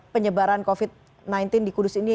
penyebaran covid sembilan belas di kudus ini